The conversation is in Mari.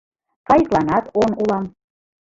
Кайыкланат он улам.